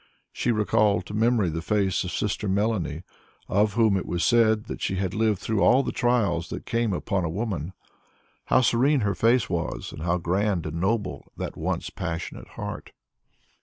She recalled to memory the face of Sister Melanie, of whom it was said that she had lived through all the trials that can come upon a woman. How serene her face was and how grand and noble that once passionate heart!